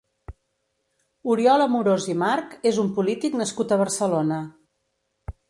Oriol Amorós i March és un polític nascut a Barcelona.